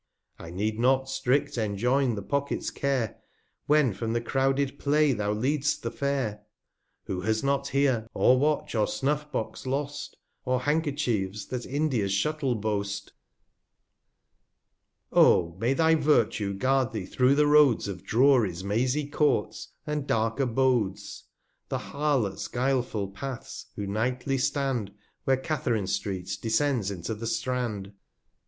I need not strict enjoyn the Pocket's Care, 255 When from the crouded Play thou lead'st the Fair ; Who has not here, or Watch, or Snuff Box lost, Or Handkerchiefs that India* Shuttle boast ? r "'^> A O ! may thy Virtue guard thee through the Roads Of Drury\ mazy Courts, and dark Abodes, 260 The Harlots' guileful Paths, who nightly stand, _Where Katherine street descends into the Strand.